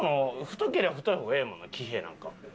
太けりゃ太い方がええもんな喜平なんか。